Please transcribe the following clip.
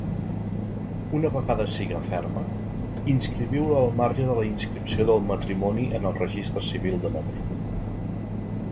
Una vegada siga ferma, inscriviu-la al marge de la inscripció del matrimoni en el Registre Civil de Madrid.